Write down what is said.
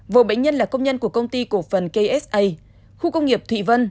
vợ bệnh nhân là công nhân của công ty cổ phần ksa khu công nghiệp thụy vân